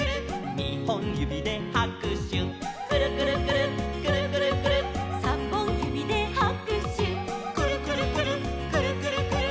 「にほんゆびではくしゅ」「くるくるくるっくるくるくるっ」「さんぼんゆびではくしゅ」「くるくるくるっくるくるくるっ」